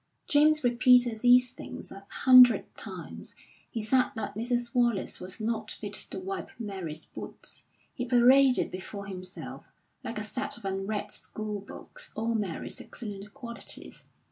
James repeated these things a hundred times: he said that Mrs. Wallace was not fit to wipe Mary's boots; he paraded before himself, like a set of unread school books, all Mary's excellent qualities.